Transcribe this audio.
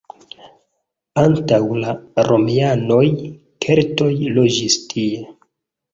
Antaŭ la romianoj keltoj loĝis tie.